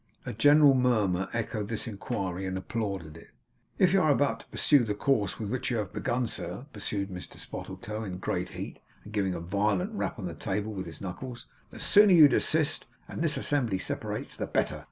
A general murmur echoed this inquiry, and applauded it. 'If you are about to pursue the course with which you have begun, sir,' pursued Mr Spottletoe in a great heat, and giving a violent rap on the table with his knuckles, 'the sooner you desist, and this assembly separates, the better.